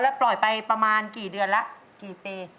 ปล่อยไปประมาณกี่เดือนแล้วกี่ปี